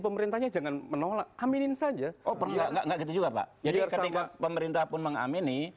pemerintahnya jangan menolak aminin saja oh enggak enggak gitu juga pak jadi ketika pemerintah pun mengamini